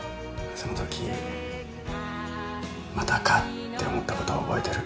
そのとき「またか」って思ったことを覚えてる。